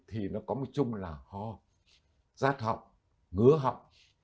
thì nó có một chung là ho rác học ngứa học